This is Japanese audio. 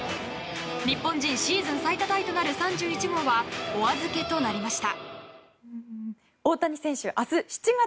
日本人シーズン最多タイとなる３１号はお預けとなりました。